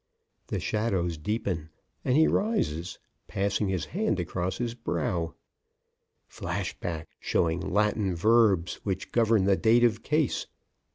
The shadows deepen, and he rises, passing his hand across his brow. (_Flash back showing the Latin verbs which govern the dative case.